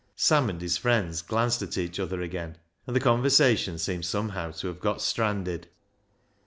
Sam and his friends glanced at each other again, and the conversation seemed somehow to have got stranded.